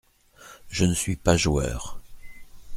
Je ne suis pas joueur.